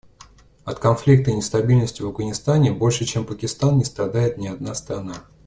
От конфликта и нестабильности в Афганистане больше чем Пакистан не страдает ни одна страна.